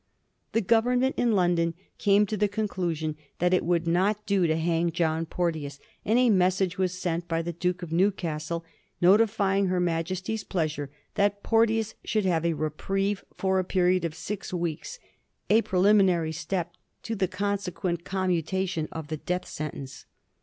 The Government in London came to the conclusion that it would not do to hang John Porteous, and a message was sent by the Puke of Newcastle notifying her Majesty's pleasure that Porteous should have a reprieve for a period of six weeks — a preliminary step to the consequent com mutation of the death sentence.